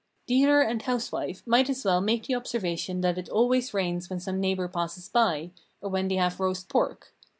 Dealer and housewife might as well make the observation that it always rains when some neighbour passes by, or when Phrenology 325 they liave roast pork.